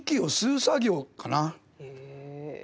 へえ。